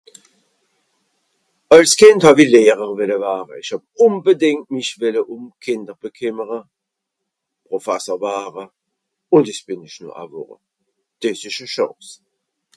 Àls Kìnd hàw-i Lehrer welle ware. Ìch hàb ùnbedìngt mìch welle mìch ùm Kìnder bekìmmere, Profasser ware, ùn dìs bìn ìch noh aa worre. Dìs ìsch e Chance.